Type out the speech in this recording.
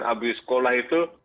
abis sekolah itu